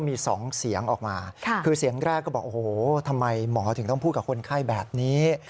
มี๒เสียงออกมาคือเสียงแรกก็บอกโอ้โหทำไมหมอถึงต้องพูดกับคนไข้แบบนี้